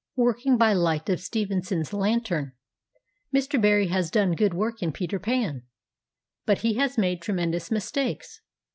Working by light of Stevenson's lantern, Mr. Barrie has done good work in " Peter Pan," but he has made tremendous mistakes.